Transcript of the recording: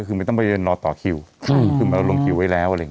คือไม่ต้องไปรอต่อคิวคือเราลงคิวไว้แล้วอะไรอย่างนี้